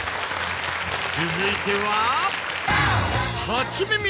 続いては。